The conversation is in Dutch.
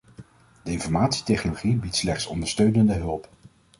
De informatietechnologie biedt slechts ondersteunende hulp.